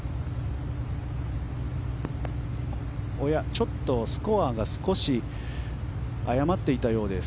ちょっとスコアが少し誤っていたようです。